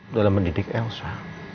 dalam mendidik elsa